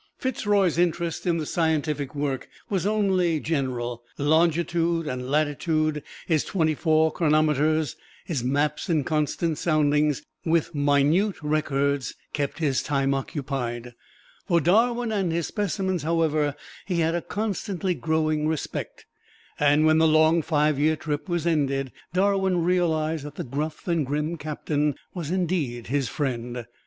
Fitz Roy's interest in the scientific work was only general: longitude and latitude, his twenty four chronometers, his maps and constant soundings, with minute records, kept his time occupied. For Darwin and his specimens, however, he had a constantly growing respect, and when the long five year trip was ended, Darwin realized that the gruff and grim Captain was indeed his friend.